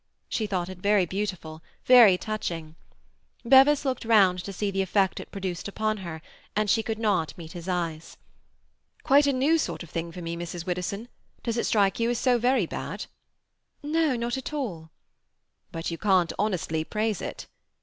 She thought it very beautiful, very touching. Bevis looked round to see the effect it produced upon her, and she could not meet his eyes. "Quite a new sort of thing for me, Mrs. Widdowson. Does it strike you as so very bad?" "No—not at all." "But you can't honestly praise it?"